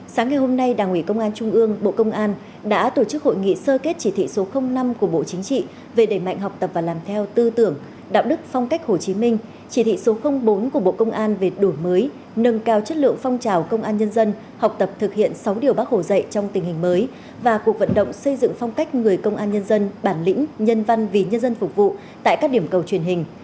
sáng ngày hôm nay đảng ủy công an trung ương bộ công an đã tổ chức hội nghị sơ kết chỉ thị số năm của bộ chính trị về đẩy mạnh học tập và làm theo tư tưởng đạo đức phong cách hồ chí minh chỉ thị số bốn của bộ công an về đổi mới nâng cao chất lượng phong trào công an nhân dân học tập thực hiện sáu điều bác hồ dạy trong tình hình mới và cuộc vận động xây dựng phong cách người công an nhân dân bản lĩnh nhân văn vì nhân dân phục vụ tại các điểm cầu truyền hình